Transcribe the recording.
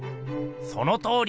そのとおり！